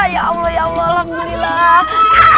ya allah ya allah alhamdulillah